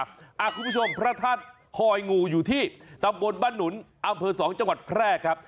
คุณผู้ชมพระธาตุคอยงูอยู่ที่ตำบลบ้านหนุนอำเภอ๒จังหวัดแพร่ครับ